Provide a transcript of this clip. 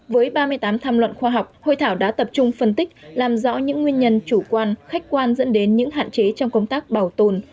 với ba mươi tám tham luận khoa học hội thảo đã tập trung phân tích làm rõ những nguyên nhân chủ quan khách quan dẫn đến những hạn chế trong công tác bảo tồn